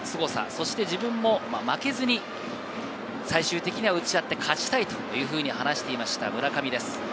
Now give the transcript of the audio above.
そして自分も負けずに最終的には打ち合って勝ちたいというふうに話していました、村上です。